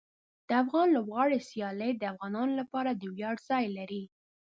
د افغان لوبغاړو سیالۍ د افغانانو لپاره د ویاړ ځای لري.